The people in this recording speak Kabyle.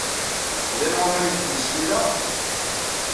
Llan waman deg tmezgida?